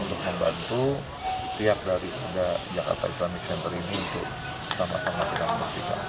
untuk membantu pihak dari jakarta islamic center ini untuk tambahkan masjid yang masih terbakar